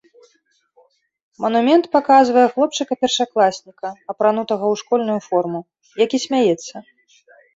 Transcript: Манумент паказвае хлопчыка-першакласніка, апранутага ў школьную форму, які смяецца.